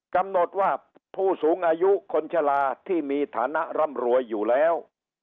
กำหนดว่าผู้สูงอายุคนชะลาที่มีฐานะร่ำรวยอยู่แล้ว